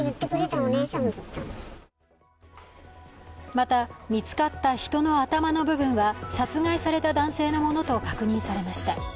また、見つかった人の頭の部分は殺害された男性のものと確認されました。